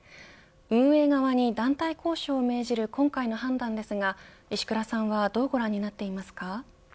運営側に団体交渉を命じる今回の判断ですが石倉さんはどうご覧になっていますか。